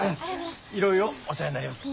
いろいろお世話になります。